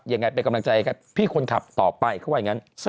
ยังไงเป็นกำลังใจกับพี่คนขับต่อไปเขาว่าอย่างนั้น